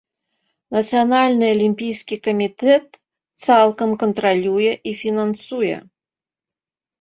Нацыянальны алімпійскі камітэт цалкам кантралюе і фінансуе.